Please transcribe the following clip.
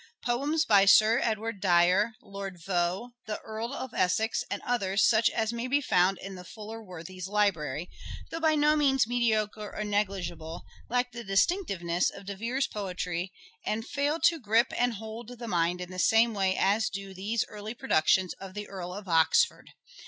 Poems by Sir Edward Dyer, Lord Vaux, The Earl of Essex and others, such as may be found in the " Fuller Worthies' Library," though by no means mediocre or negligible, lack the distinctiveness of De Vere's poetry and fail to grip and hold the mind in the same way as do these early productions of the Earl of Oxford.